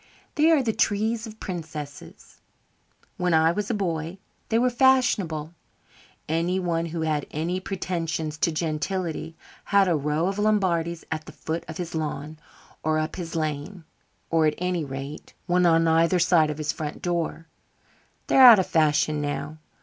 "They are the trees of princesses. When I was a boy they were fashionable. Anyone who had any pretensions to gentility had a row of Lombardies at the foot of his lawn or up his lane, or at any rate one on either side of his front door. They're out of fashion now.